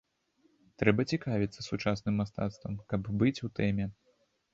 Трэба цікавіцца сучасным мастацтвам, каб быць у тэме.